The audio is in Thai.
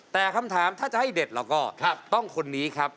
แต่คำถามถ้าจะให้เด็ดเราก็ต้องคนนี้ครับ